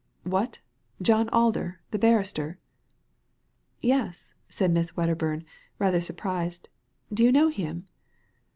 "What I John Alder the barrister?" " Yes," said Miss Wedderbum, rather surprised ; do you know him